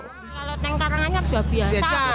kalau teng karanganyar biasa